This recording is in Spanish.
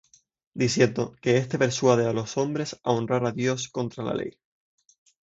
Diciendo: Que éste persuade á los hombres á honrar á Dios contra la ley.